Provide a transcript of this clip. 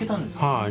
はい。